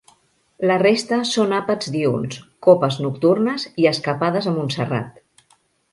La resta són àpats diürns, copes nocturnes i escapades a Montserrat.